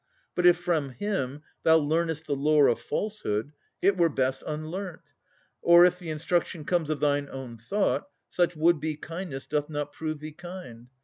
But if from him thou learnest The lore of falsehood, it were best unlearnt; Or if the instruction comes of thine own thought, Such would be kindness doth not prove thee kind.